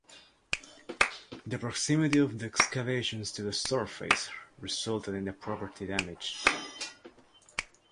The proximity of the excavations to the surface resulted in the property damage.